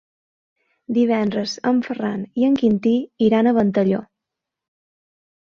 Divendres en Ferran i en Quintí iran a Ventalló.